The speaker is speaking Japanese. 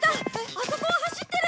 あそこを走ってる。